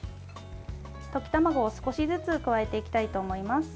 溶き卵を少しずつ加えていきたいと思います。